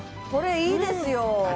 これいいですよ